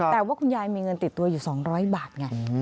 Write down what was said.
แต่ว่าคุณยายมีเงินติดตัวอยู่๒๐๐บาทไง